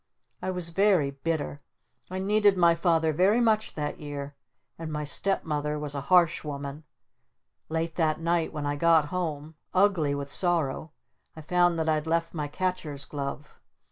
I was very bitter. I needed my Father very much that year. And my step mother was a harsh woman. Late that night when I got home, ugly with sorrow, I found that I'd left my Catcher's glove.